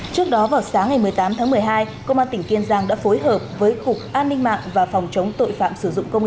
trước đó vào sáng ngày một mươi tám tháng một mươi hai công an tỉnh kiên giang đã phối hợp với cục an ninh mạng và phòng chống tội phạm sử dụng công